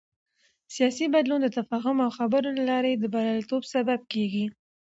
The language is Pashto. سیاسي بدلون د تفاهم او خبرو له لارې د بریالیتوب سبب کېږي